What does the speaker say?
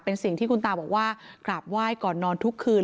เป็นสิ่งที่คุณตาบอกว่ากราบไหว้ก่อนนอนทุกคืน